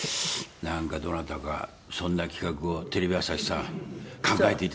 なんかどなたかそんな企画をテレビ朝日さん考えていただけませんでしょうか。